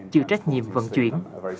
chịu trách nhiệm vận chuyển